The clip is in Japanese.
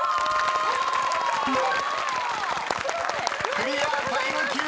［クリアタイム９秒１］